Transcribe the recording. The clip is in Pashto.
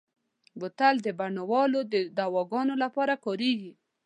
بوتل د بڼوالو د دواګانو لپاره کارېږي.